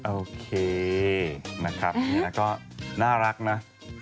โอเคนะครับก็น่ารักนะ